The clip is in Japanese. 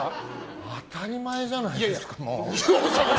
当たり前じゃないですか！